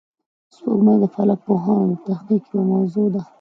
سپوږمۍ د فلک پوهانو د تحقیق یوه موضوع ده